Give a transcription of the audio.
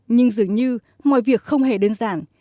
nhưng dường như mọi việc không hề đơn giản